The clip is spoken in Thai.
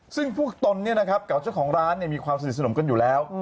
ซึ่งพวกตนเนี่ยนะครับเก่าเจ้าของร้านเนี่ยมีความสนิทสนมกันอยู่แล้ว